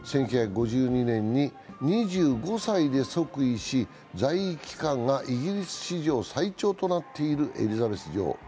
１９５２年に２５歳で即位し、在位期間がイギリス史上最長となっているエリザベス女王。